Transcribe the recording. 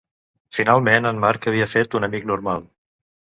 Finalment en Marc havia fet un amic normal.